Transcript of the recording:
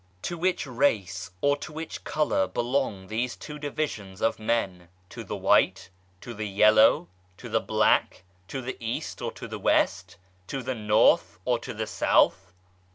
To which race or to which colour belong these two divisions of men, to the White, to the Yellow, to the Black, to the East or to the West, to the North or to the South